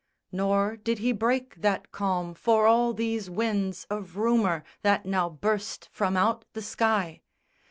Nor did he break that calm for all these winds Of rumour that now burst from out the sky.